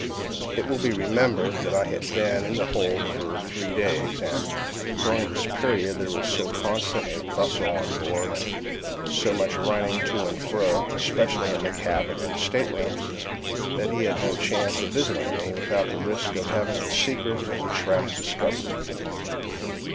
It will be remembered that I had then been in the hold for three days; and, during this period, there was so constant a bustle on board, and so much running to and fro, especially in the cabin and staterooms, that he had had no chance of visiting me without the risk of having the secret of the trap discovered.